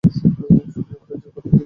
তুমি আমার ধৈর্যের বাধ ভেঙ্গে দিয়েছো।